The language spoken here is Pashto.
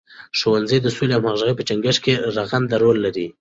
ښځې د سولې او همغږۍ په ټینګښت کې رغنده رول لري.